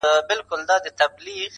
ما خالي انګړ ته وکړل له ناکامه سلامونه٫